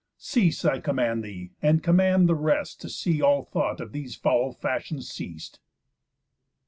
Cease, I command thee, and command the rest To see all thought of these foul fashions ceas'd."